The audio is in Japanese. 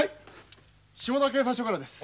下田警察署からです。